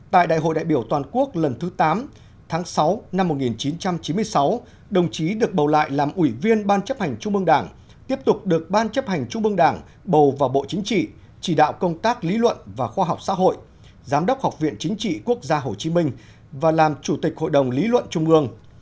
tại đại hội đại biểu toàn quốc lần thứ tám tháng sáu năm một nghìn chín trăm chín mươi sáu đồng chí được bầu lại làm ủy viên ban chấp hành trung mương đảng tiếp tục được ban chấp hành trung ương đảng bầu vào bộ chính trị chỉ đạo công tác lý luận và khoa học xã hội giám đốc học viện chính trị quốc gia hồ chí minh và làm chủ tịch hội đồng lý luận trung ương